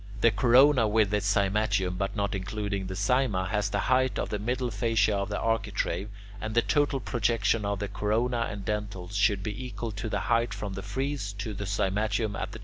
The corona with its cymatium, but not including the sima, has the height of the middle fascia of the architrave, and the total projection of the corona and dentils should be equal to the height from the frieze to the cymatium at the top of the corona.